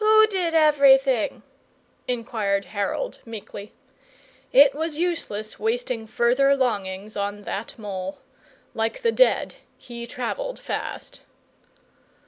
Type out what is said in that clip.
"WHO did everything?" inquired Harold, meekly. It was useless wasting further longings on that mole. Like the dead, he travelled fast.